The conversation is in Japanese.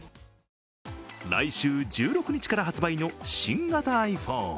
来週１６日から発売の新型ｉＰｈｏｎｅ。